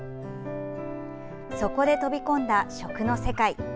そこで飛び込んだ食の世界。